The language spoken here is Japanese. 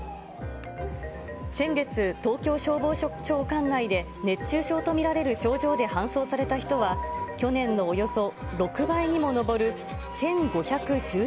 先月、東京消防庁管内で熱中症と見られる症状で搬送された人は、去年のおよそ６倍にも上る１５１７人。